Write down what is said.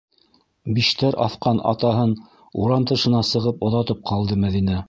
Биштәр аҫҡан атаһын урам тышына сығып оҙатып ҡалды Мәҙинә.